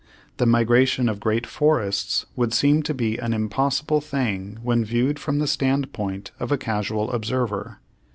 The migration of great forests would seem to be an impossible thing when viewed from the standpoint of a casual observer.